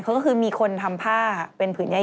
เขาก็คือมีคนทำภาพเป็นผืนใหญ่